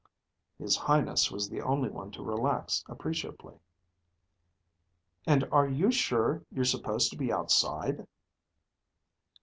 His Highness was the only one to relax appreciably. "And are you sure you're supposed to be outside?"